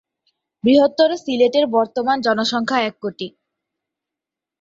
বৃহত্তর সিলেটের বর্তমান জনসংখ্যা এক কোটি।